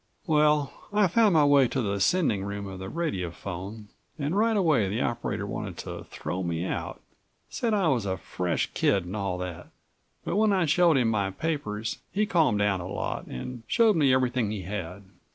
"Well, I found my way to the sending room of the radiophone and right away the operator wanted to throw me out; said I was a fresh kid21 and all that. But when I showed him my papers, he calmed down a lot and showed me everything he had.